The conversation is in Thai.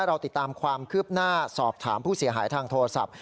เราติดตามความคืบหน้าสอบถามผู้เสียหายทางโทรศัพท์